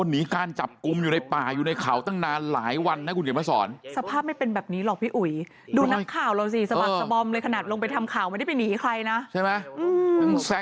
หนีการจับกุมอยู่ในป่าอยู่ในเข่าตั้งนานหลายวันนะ